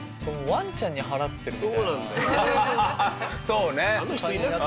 ワンちゃんに払ってるみたいな。